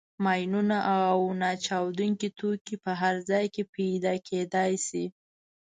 ماینونه او ناچاودي توکي په هر ځای کې پیدا کېدای شي.